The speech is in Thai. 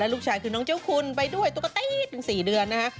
ผู้ชายคือน้องเจ้าคุณไปด้วยตรงสี่เดือนนะฮะ